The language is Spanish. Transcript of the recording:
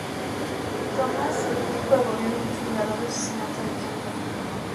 Thomas, científico del gobierno e investigador de asesinato de Kennedy.